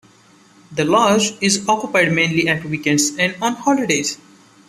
The lodge is occupied mainly at weekends and on holidays.